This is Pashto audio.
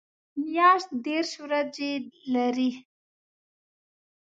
میاشت دېرش ورځې لري